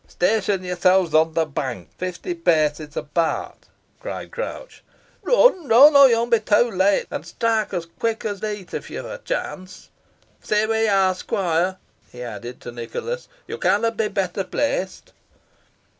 "Station yourselves on the bank, fifty paces apart," cried Crouch; "run, run, or yo'n be too late, an' strike os quick os leet if yo've a chance. Stay wheere you are, squoire," he added, to Nicholas. "Yo canna be better placed."